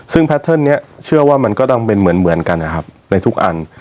ซึ่งแพทเทิร์นนี้เชื่อว่ามันก็ต้องเป็นเหมือนกันนะครับในทุกอัน